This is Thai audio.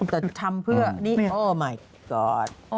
แต่ทำเพื่อนี่โอ้มายก๊อด